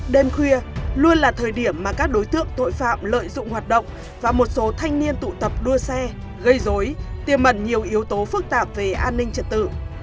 đêm khuya luôn là thời điểm mà các đối tượng tội phạm lợi dụng hoạt động và một số thanh niên tụ tập đua xe gây dối tiêm mẩn nhiều yếu tố phức tạp về an ninh trật tự